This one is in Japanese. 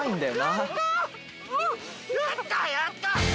やったやった！